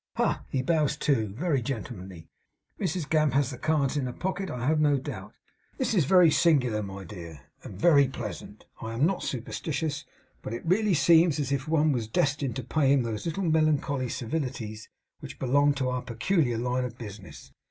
Ha! He bows too. Very gentlemanly. Mrs Gamp has the cards in her pocket, I have no doubt. This is very singular, my dear and very pleasant. I am not superstitious, but it really seems as if one was destined to pay him those little melancholy civilities which belong to our peculiar line of business.